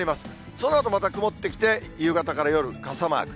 そのあとまた曇ってきて、夕方から夜、傘マーク。